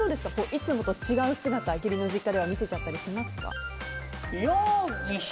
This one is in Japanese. いつもと違う姿を義理の実家では見せちゃったりしますか？